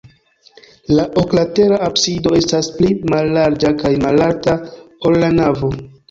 La oklatera absido estas pli mallarĝa kaj malalta, ol la navo.